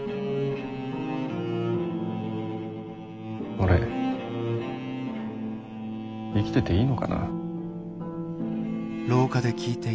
俺生きてていいのかな？